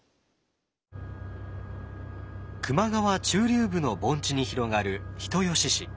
球磨川中流部の盆地に広がる人吉市。